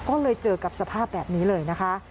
ก็เลยเจอกับสภาพแบบนี้เลยนะคะ